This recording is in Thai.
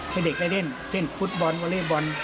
ให้เด็กได้เล่นเช่นฟุตบอลวอเล็กบอล